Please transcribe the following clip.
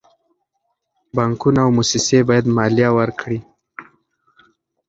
بانکونه او موسسې باید مالیه ورکړي.